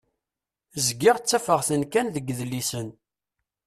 Zgiɣ ttafeɣ-ten kan deg yidlisen.